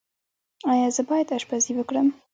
ایا زه باید اشپزي وکړم؟